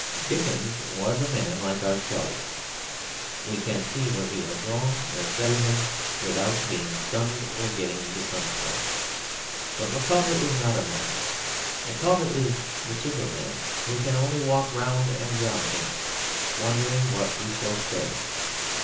Dickens was a man like ourselves; we can see where he went wrong, and study him without being stunned or getting the sunstroke. But Micawber is not a man; Micawber is the superman. We can only walk round and round him wondering what we shall say.